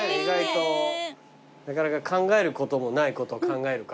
なかなか考えることもないことを考えるから。